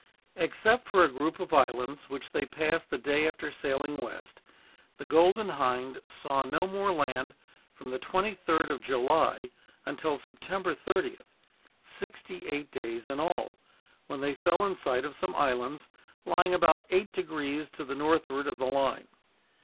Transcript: Except for a group of islands which they passed the day after sailing west, the Golden Hind saw no more land from the 23rd of July until September 30th, sixty eight days in all, when they fell in sight of some islands, lying about eight degrees to the northward of the line.